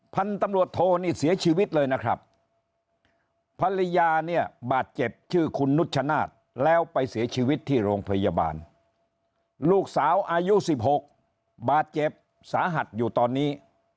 พันธุ์ตำรวจโทนี่เสียชีวิตเลยนะครับภรรยาเนี่ยบาดเจ็บชื่อคุณนุชชนาธิ์แล้วไปเสียชีวิตที่โรงพยาบาลลูกสาวอายุ๑๖บาดเจ็บสาหัสอยู่ตอนนี้